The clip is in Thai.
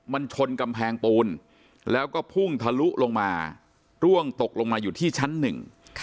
มันชนกำแพงปูนแล้วก็พุ่งทะลุลงมาร่วงตกลงมาอยู่ที่ชั้นหนึ่ง